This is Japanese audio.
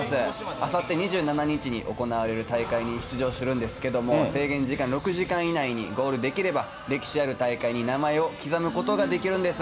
あさって２７日に行われる大会に出場するんですけども、制限時間６時間以内にゴールできれば、歴史ある大会に名前を刻むことができるんです。